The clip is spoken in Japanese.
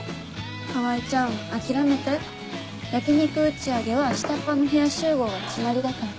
川合ちゃん諦めて焼き肉打ち上げは下っ端の部屋集合が決まりだから。